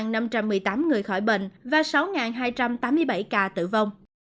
ba trăm chín mươi bốn năm trăm một mươi tám người khỏi bệnh và sáu hai trăm tám mươi bảy ca tử vong